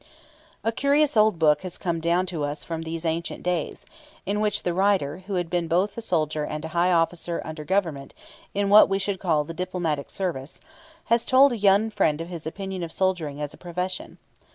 A curious old book has come down to us from these ancient days, in which the writer, who had been both a soldier and a high officer under Government in what we should call the diplomatic service, has told a young friend his opinion of soldiering as a profession.